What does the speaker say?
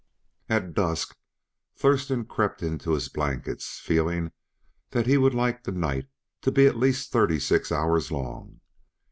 At dusk Thurston crept into his blankets, feeling that he would like the night to be at least thirty six hours long.